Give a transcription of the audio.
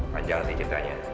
panjang sih ceritanya